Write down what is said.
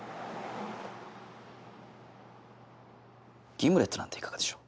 ギムレットなんていかがでしょう？